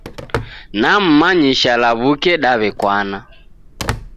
Nammanyisha law'uke daw'ekwana.